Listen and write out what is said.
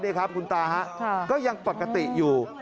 นี่ครับคุณตาฮะก็ยังปกติอยู่